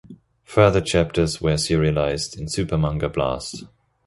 Further chapters were serialized in Super Manga Blast!